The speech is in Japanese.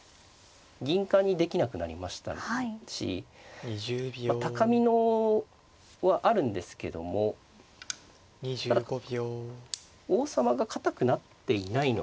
銀冠にできなくなりましたし高美濃はあるんですけどもただ王様が堅くなっていないのと。